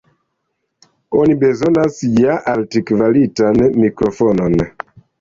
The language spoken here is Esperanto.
Oni bezonas ja altkvalitan mikrofonon.